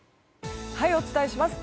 お伝えします。